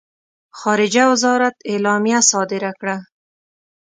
خارجه وزارت اعلامیه صادره کړه.